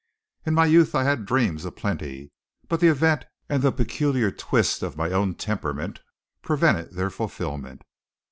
In my youth I had dreams a plenty; but the event and the peculiar twist of my own temperament prevented their fulfilment.